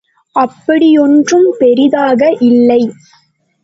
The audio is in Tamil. அப்படியொன்றும் பெரிதாக இல்லை.